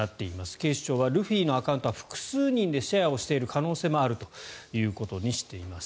警視庁ハルキウのアカウントは複数人でシェアをしている可能性があるということにしています。